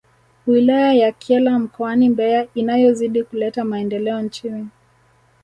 Wilaya ya Kyela mkoani Mbeya inayozidi kuleta maendeleo nchini